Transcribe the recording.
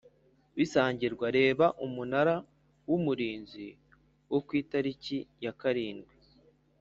bisangirwa reba Umunara w Umurinzi wo ku itariki ya karindwi